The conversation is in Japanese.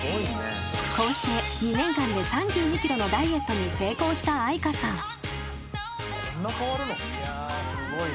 ［こうして２年間で３２ｋｇのダイエットに成功した愛花さん］